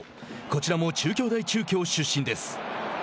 こちらも中京大中京出身です。